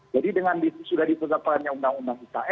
jadi dengan sudah diperjabatkan undang undang kita